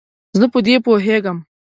زه په دې پوهیږم.